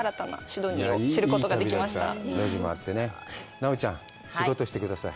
奈緒ちゃん、仕事してください。